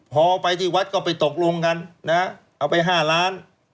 พอไปที่วัดก็ไปตกลงกันนะเอาไป๕ล้าน